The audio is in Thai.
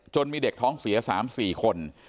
มีเด็กท้องเสีย๓๔คน